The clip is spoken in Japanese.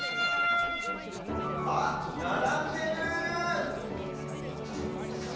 あっならんでる！